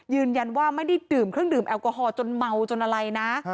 ยืนยันว่าไม่ได้ดื่มเครื่องดื่มแอลกอฮอลจนเมาจนอะไรนะ